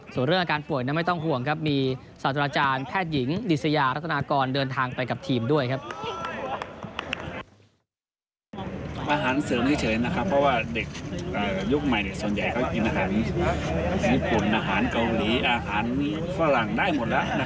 เขากินอาหารญี่ปุ่นอาหารเกาหลีอาหารฝรั่งได้หมดแล้วนะครับ